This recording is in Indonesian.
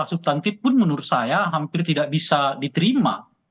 substantif pun menurut saya hampir tidak bisa diterima